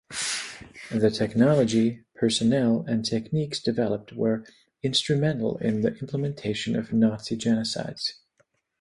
The technology, personnel and techniques developed were instrumental in the implementation of Nazi genocides.